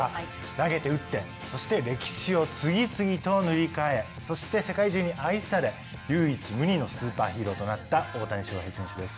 投げて打ってそして歴史を次々と塗り替えそして世界中に愛され唯一無二のスーパーヒーローとなった大谷翔平選手です。